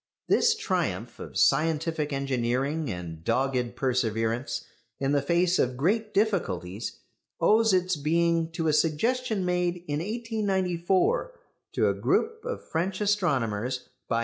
This triumph of scientific engineering and dogged perseverance in the face of great difficulties owes its being to a suggestion made in 1894 to a group of French astronomers by M.